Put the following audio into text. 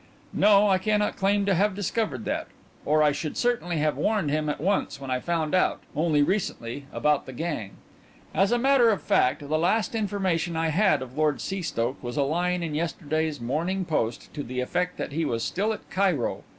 "No, I cannot claim to have discovered that, or I should certainly have warned him at once when I found out only recently about the gang. As a matter of fact, the last information I had of Lord Seastoke was a line in yesterday's Morning Post to the effect that he was still at Cairo.